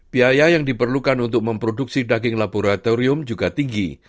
biaya yang diperlukan untuk memproduksi daging laboratorium juga tinggi